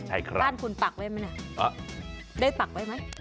ใช่ครับบ้านคุณปักไว้ไหมน่ะได้ปักไว้ไหม